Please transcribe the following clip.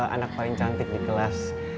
anak paling cantik di kelas